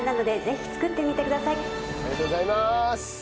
ありがとうございます！